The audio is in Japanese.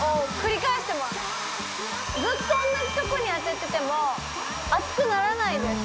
ずっと同じとこに当てていても熱くならないです。